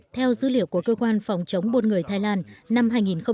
theo dữ liệu của cơ quan phòng chống buôn người thái lan năm hai nghìn một mươi chín